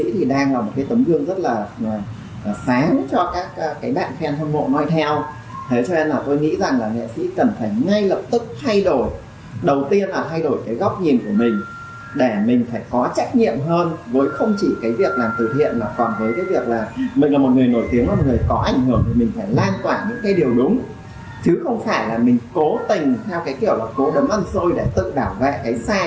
tại vì mình cố tình theo kiểu là cố đấm ăn xôi để tự bảo vệ cái sai của mình như vậy